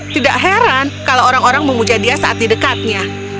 tidak heran kalau orang orang memuja dia saat di dekatnya